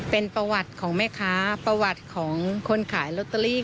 เป็นประวัติของแม่ค้าประวัติของคนขายลอตเตอรี่